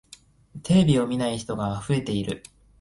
テレビを見ない人が増えている。